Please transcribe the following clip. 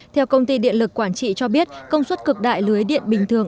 theo công ty điện lực quảng trị cho biết công suất cực đại lưới điện bình thường